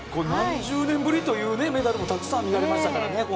何十年ぶりというメダルもたくさん見られましたからね。